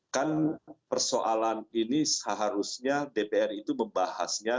kan persoalan ini seharusnya dpr itu membahasnya